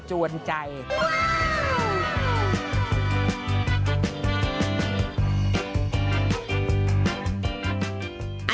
ซิโคงหมูสับ๑